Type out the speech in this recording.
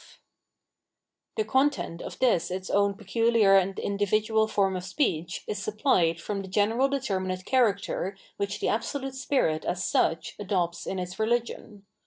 722 The Abstract Worh of Art The content of this its own pecnhar and individual form of speech is supplied from the general determinate character which the Absolute Spirit as such adopts in its rehgion.